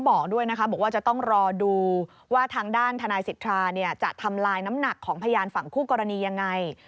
บอกด้วยนะคะบอกว่าจะต้องรอดูว่าทางด้านทนายสิทธาจะทำลายน้ำหนักของพยานฝั่งคู่กรณียังไง